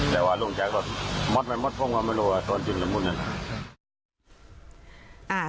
แต่ก็มอดไปมอดพ่อมาไม่รู้ว่าส่วนจริงหรือมูลนั้น